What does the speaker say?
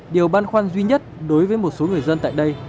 điều băn khoăn duy nhất đối với một số người dân tại đây